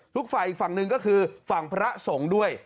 ฝ่ายอีกฝั่งหนึ่งก็คือฝั่งพระสงฆ์ด้วย